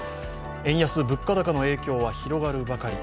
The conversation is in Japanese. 円安、物価高の影響は広がるばかり。